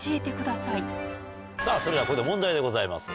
さあ、それではここで問題でございます。